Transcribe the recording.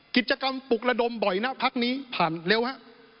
กิจกรรมปลุกระดมบ่อยนะพักนี้ผ่านเร็วฮะ